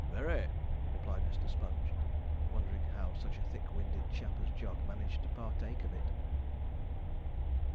'Very,' replied Mr. Sponge, wondering how such a thick winded chap as Jog managed to partake of it.